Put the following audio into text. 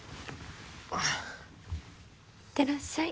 あぁ。いってらっしゃい。